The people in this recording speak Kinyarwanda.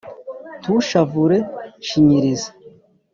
ntushavure shinyiriza